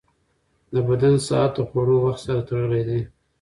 د بدن ساعت د خوړو وخت سره تړلی دی.